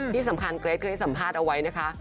ที่สำคัญเกรทเคยให้สัมภาษณ์เอาไว้นะคะ